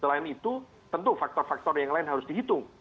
selain itu tentu faktor faktor yang lain harus dihitung